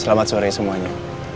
selamat sore semuanya